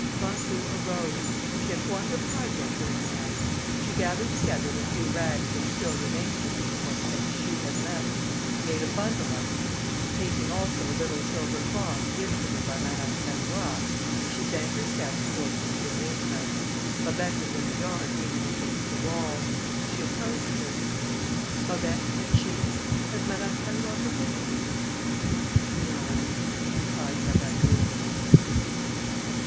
Françou arose; she had formed a project during the night. She gathered together the few rags which still remained to her from what old Catichou had left, made a bundle of them, and taking also a little silver cross given to her by Madame Pallois, she bent her steps towards the Curé's house. Babet was in the yard leaning against the wall; she approached her. "Babet," said she, "has Madame Pallois forgiven you?" "No," replied Babet gloomily.